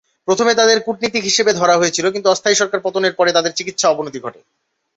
প্রথমে তাদের কূটনীতিক হিসাবে ধরা হয়েছিল, কিন্তু অস্থায়ী সরকার পতনের পরে তাদের চিকিৎসা অবনতি ঘটে।